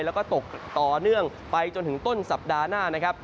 แล้วก็ตกต่อเนื่องไปจนถึงต้นสัปดาห์หน้านะครับ